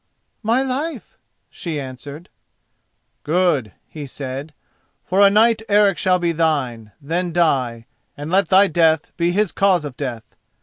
"My life," she answered. "Good," he said; "for a night Eric shall be thine. Then die, and let thy death be his cause of death."